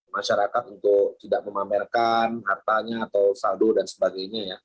masyarakat untuk tidak memamerkan hartanya atau saldo dan sebagainya ya